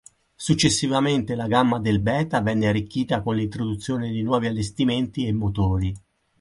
Successivamente, la gamma del Beta venne arricchita, con l'introduzione di nuovi allestimenti e motori.